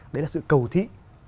đấy là sự cầu thí